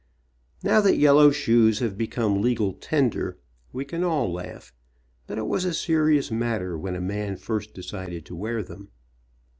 Now that yellow shoes have become legal tender, we can all laugh, but it was a serious matter when a man first decided to wear them.